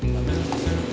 kamu ngepel nek